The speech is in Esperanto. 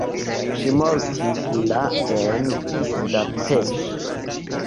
Ŝi mortis la en Budapeŝto.